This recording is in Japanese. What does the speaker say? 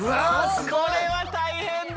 これは大変だ。